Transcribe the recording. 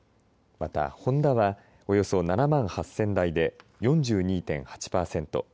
また、ホンダはおよそ７万８０００台で４２．８パーセント。